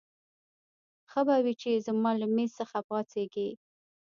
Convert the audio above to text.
ښه به وي چې زما له مېز څخه پاڅېږې.